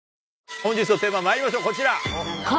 本日のテーマまいりましょうこちら！